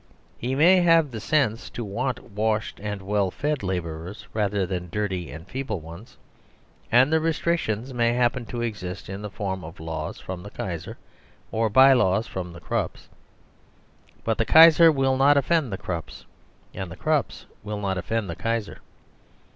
He may have the sense to want washed and well fed labourers rather than dirty and feeble ones, and the restrictions may happen to exist in the form of laws from the Kaiser or by laws from the Krupps. But the Kaiser will not offend the Krupps, and the Krupps will not offend the Kaiser.